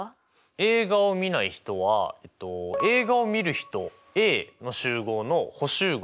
映画をみない人は映画をみる人Ａの集合の補集合